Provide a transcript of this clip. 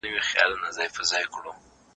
تاسو باید په هره پرېکړه کي دقت وکړئ.